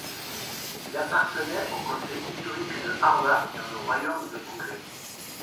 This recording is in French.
Il appartenait au comté historique de Árva, dans le Royaume de Hongrie.